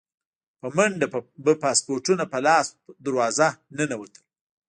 په منډه به پاسپورټونه په لاس دروازه ننوتل.